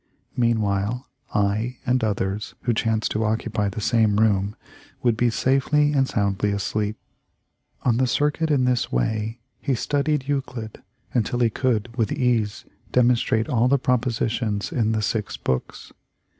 Meanwhile, I and others who chanced to occupy the same room would be safely and soundly asleep. On the circuit in this way he studied Euclid until he could with ease demonstrate all the propositions in the six books.